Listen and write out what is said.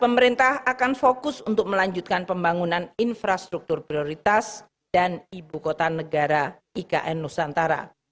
pemerintah akan fokus untuk melanjutkan pembangunan infrastruktur prioritas dan ibu kota negara ikn nusantara